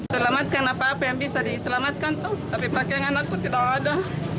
selamatkan apa apa yang bisa diselamatkan tapi pakaian anak itu tidak ada